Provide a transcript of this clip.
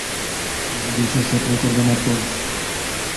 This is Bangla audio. বিদেশে স্যাটল করবে না তো?